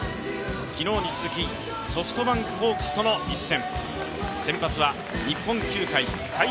昨日に続きソフトバンクホークスとの一戦。